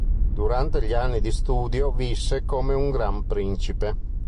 Durante gli anni di studio visse come un gran principe.